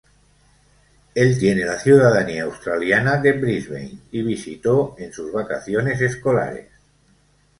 Él tiene la ciudadanía australiana de Brisbane y visitó en sus vacaciones escolares.